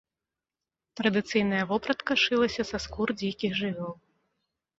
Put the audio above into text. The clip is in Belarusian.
Традыцыйная вопратка шылася са скур дзікіх жывёл.